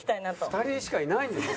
２人しかいないんですよ？